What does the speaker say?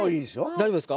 大丈夫です。